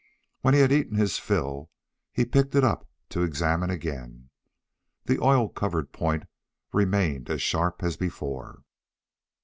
When he had eaten his fill, he picked it up to examine again. The oil covered point remained as sharp as before.